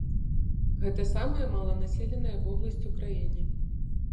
Гэта самая маланаселеная вобласць у краіне.